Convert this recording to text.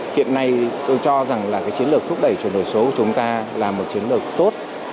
hiện nay tôi cho rằng là cái chiến lược thúc đẩy chuyển đổi số của chúng ta là một chiến lược tốt